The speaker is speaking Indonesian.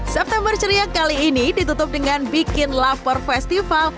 september ceria kali ini ditutup dengan bikin lover festival